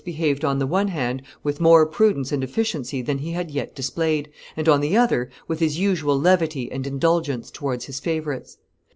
behaved on the one hand with more prudence and efficiency than he had yet displayed, and on the other with his usual levity and indulgence towards his favorites.